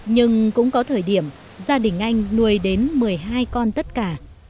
nhưng cũng có thời điểm gia đình anh nuôi đến một mươi hai con tất cả